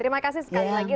terima kasih sekali lagi